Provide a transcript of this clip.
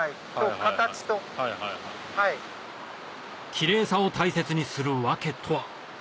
キレイさを大切にする訳とは？